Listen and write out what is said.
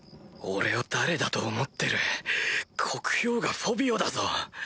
俺を誰だと思ってる黒豹牙フォビオだぞ。